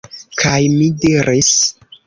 Kaj mi diris: